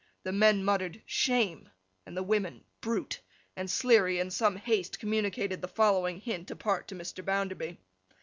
The men muttered 'Shame!' and the women 'Brute!' and Sleary, in some haste, communicated the following hint, apart to Mr. Bounderby.